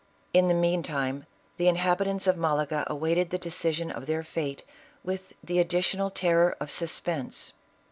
In the meantime the inhabitants of Malaga awaited the decision of their fate with the additional terror of suspense.